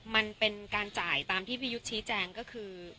มันเป็นการจ่ายตามที่พี่ยุทธ์ชี้แจงก็คือ